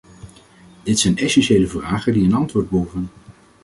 Dit zijn essentiële vragen die een antwoord behoeven.